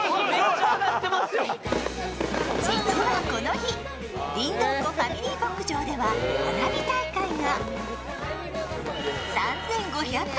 実はこの日、りんどう湖ファミリー牧場では花火大会が。